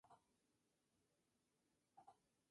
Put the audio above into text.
Hacía más de dos años que Spinetta no se presentaba en vivo.